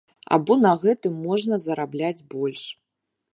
А бо на гэтым можна зарабляць больш.